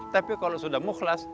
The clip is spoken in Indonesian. tapi kalau sudah mukhlas